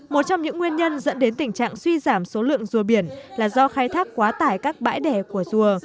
một trong những nguyên nhân dẫn đến tình trạng suy giảm số lượng rùa biển là do khai thác quá tải các bãi đẻ của rùa